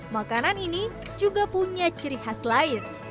makanan ini juga punya ciri khas lain